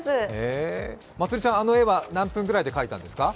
まつりちゃん、あの絵は何分ぐらいで描いたんですか？